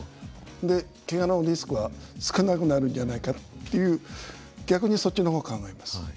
でけがのリスクは少なくなるんじゃないかっていう逆にそっちの方を考えます。